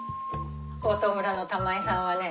大塔村の玉井さんはね